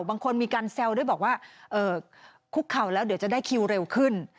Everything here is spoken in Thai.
บางคนมีการแซวด้วยบอกว่าคุกเข่าแล้วเดี๋ยวจะได้คิวเร็วขึ้น